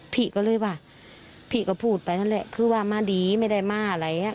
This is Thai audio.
พี่ก็เลยว่าพี่ก็พูดไปนั่นแหละคือว่ามาดีไม่ได้มาอะไรอย่างนี้